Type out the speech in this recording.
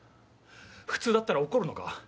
普通だったら怒るのか？